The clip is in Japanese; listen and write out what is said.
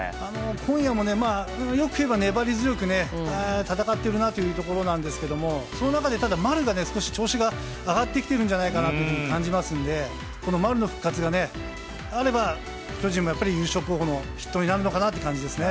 今夜も、よく言えば粘り強く戦っているなというところなんですがその中で、丸が調子が上がってきているんじゃないかと感じますので、丸の復活があれば巨人も優勝候補の筆頭になるのかなという感じですね。